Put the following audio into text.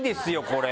これ。